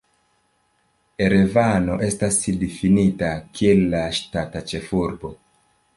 Erevano estas difinita kiel la ŝtata ĉefurbo.